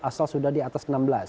asal sudah di atas enam belas